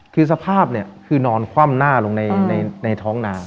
คือสภาพเนี่ยคือนอนคว่ำหน้าลงในท้องนา